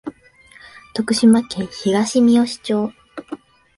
徳島県東みよし町